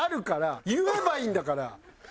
言えばいいんだから。